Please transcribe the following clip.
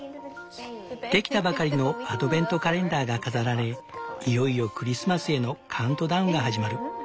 できたばかりのアドベントカレンダーが飾られいよいよクリスマスへのカウントダウンが始まる。